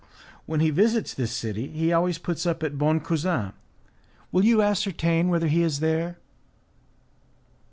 When he visits this city he always puts up at Boncousin; will you ascertain whether he is there?"